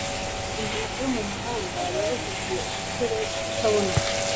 impanuka yo mu muhanda yabujije umusore kutabona